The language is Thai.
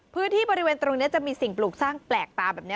พื้นที่บริเวณตรงนี้จะมีสิ่งปลูกสร้างแปลกตาแบบนี้